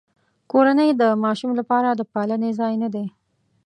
کورنۍ د ماشوم لپاره د پالنې ځای نه دی.